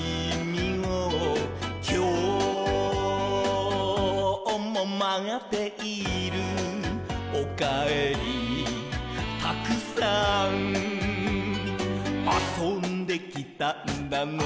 「きょうもまっている」「おかえりたくさん」「あそんできたんだね」